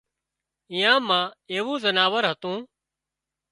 ايئان مان ايوون زناور هتون